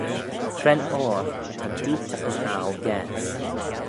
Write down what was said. Cre'n oyr ta dooyt as aggle gaase?